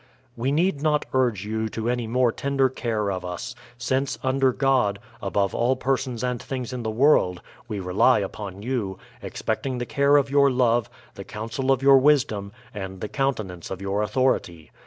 We need not urge you to any more tender care of us, since, under God, above all persons and things in the world, we rely upon you, expecting the care of your love, the counsel of your wisdom, and the countenance of your authority.